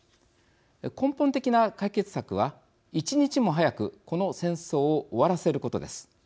根本的な解決策は一日も早くこの戦争を終わらせることです。